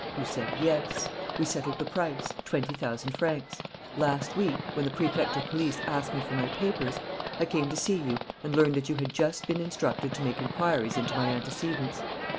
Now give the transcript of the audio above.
You said, 'Yes,' We settled the price: twenty thousand francs. Last week, when the Prefect of Police asked me for my papers, I came to see you and learned that you had just been instructed to make inquiries into my antecedents.